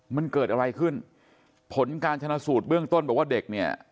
มันเกิดอะไรขึ้นผลการชนะสูตรเบื้องต้นบอกว่าเด็กเนี่ย